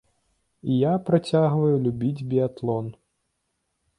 І я працягваю любіць біятлон.